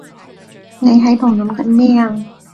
你喺度諗緊咩啊？